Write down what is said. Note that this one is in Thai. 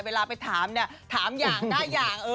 เวลาไปถามเนี่ยถามอย่างได้อย่าง